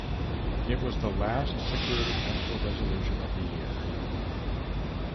It was the last Security Council resolution of the year.